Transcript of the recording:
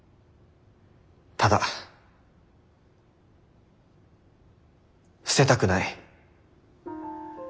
ただ捨てたくない。